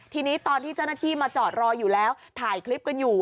ทีนี้ตอนที่เจ้าหน้าที่มาจอดรออยู่แล้วถ่ายคลิปกันอยู่